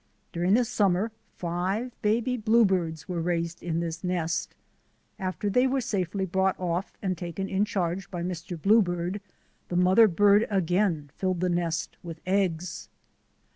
During the summer five baby bluebirds were raised in this nest. After they were safely brought off and taken in charge by Mr. Bluebird, the mother bird again filled the nest with eggs.